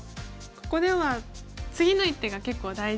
ここでは次の一手が結構大事で。